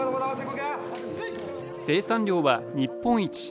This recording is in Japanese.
生産量は日本一。